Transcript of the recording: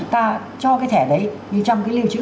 ta cho cái thẻ đấy như trong cái liêu chữ